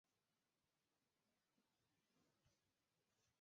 为住居表示实施区域。